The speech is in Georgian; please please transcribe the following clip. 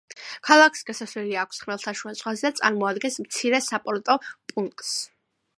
ქალაქს გასასვლელი აქვს ხმელთაშუა ზღვაზე და წარმოადგენს მცირე საპორტო პუნქტს.